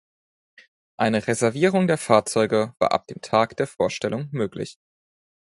Eine Reservierung der Fahrzeuge war ab dem Tag der Vorstellung möglich.